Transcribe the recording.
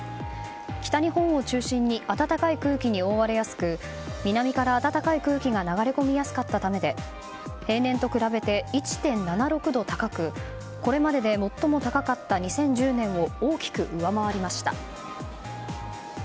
北日本を中心に暖かい空気に覆われやすく南から暖かい空気が流れ込みやすかったためで平年と比べて１．７６度高くこれまでで最も高かった２０１０年を大きく上回りました。